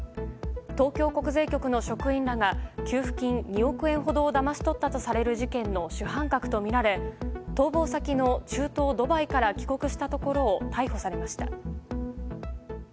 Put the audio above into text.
東京国税局の職員らが給付金２億円ほどをだまし取ったとされる事件の主犯格とみられ逃亡先の中東ドバイから帰国したところを逮捕されました。